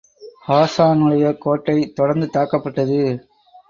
ஹாஸானுடைய கோட்டை தொடர்ந்து தாக்கப்பட்டது.